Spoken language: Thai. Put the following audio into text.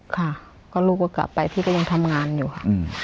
ค่ะก็ลูกก็กลับไปพี่ก็ยังทำงานอยู่ค่ะ